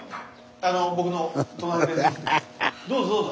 どうぞどうぞ。